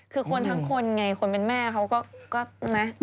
คือคนทั้งคนไงคนเป็นแม่เขาก็นะ